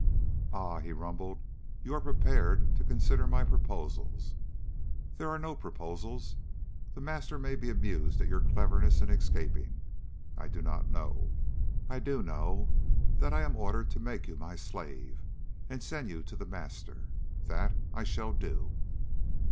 "Ah!" he rumbled. "You are prepared to consider my proposals. There are no proposals. The Master may be amused at your cleverness in escaping. I do not know. I do know that I am ordered to make you my slave and send you to The Master. That, I shall do."